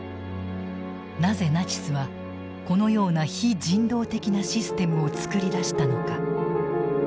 なぜナチスはこのような非人道的なシステムを作り出したのか。